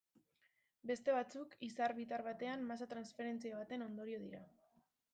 Beste batzuk izar bitar batean masa transferentzia baten ondorio dira.